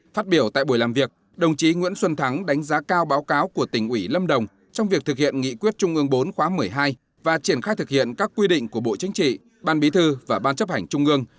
phát biểu tại buổi làm việc đồng chí nguyễn xuân thắng đánh giá cao báo cáo của tỉnh ủy lâm đồng trong việc thực hiện nghị quyết trung ương bốn khóa một mươi hai và triển khai thực hiện các quy định của bộ chính trị ban bí thư và ban chấp hành trung ương